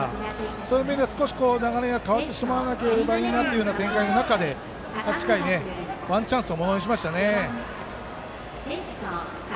そういう意味では少し流れが変わってしまうような展開の中で８回ワンチャンスをものにしましたね。